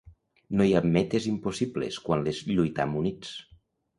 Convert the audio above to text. No hi ha metes impossibles quan les lluitam units.